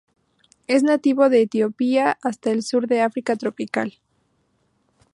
Es nativo de Etiopía hasta el sur de África tropical.